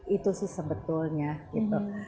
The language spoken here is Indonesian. itu sih sebetulnya gitu